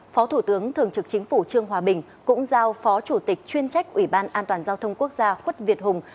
phó thủ tướng thường trực chính phủ trương hòa bình cũng giao phó chủ tịch chuyên trách ủy ban an toàn giao thông quốc gia khuất việt hùng